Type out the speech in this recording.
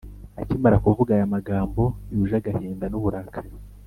Akimara kuvuga aya magambo yuje agahinda n’uburakari